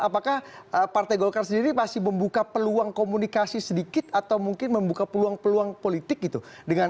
apakah partai golkar sendiri pasti membuka peluang komunikasi sedikit atau mungkin membuka peluang peluang politik gitu dengan ridwan kamil